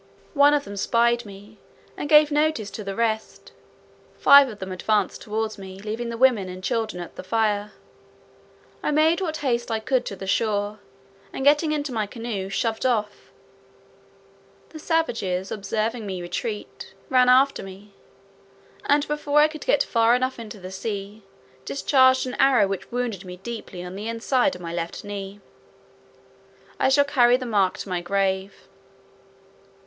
One of them spied me, and gave notice to the rest; five of them advanced toward me, leaving the women and children at the fire. I made what haste I could to the shore, and, getting into my canoe, shoved off: the savages, observing me retreat, ran after me; and before I could get far enough into the sea, discharged an arrow which wounded me deeply on the inside of my left knee: I shall carry the mark to my grave.